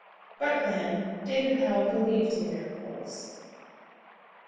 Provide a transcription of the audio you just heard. But, then, David Powell believed in miracles.